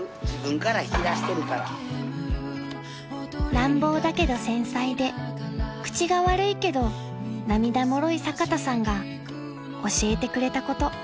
［乱暴だけど繊細で口が悪いけど涙もろい坂田さんが教えてくれたこと］